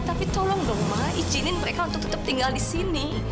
tapi tolong dong izinin mereka untuk tetap tinggal di sini